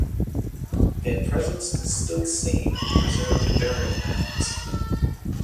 Their presence is still seen in the preserved burial mounds.